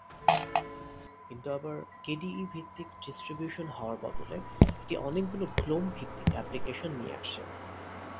কিন্তু, আবার, কেডিই-ভিত্তিক ডিস্ট্রিবিউশন হওয়ার বদলে, এটি অনেকগুলো গ্নোম-ভিত্তিক এপ্লিকেশন নিয়ে আসে।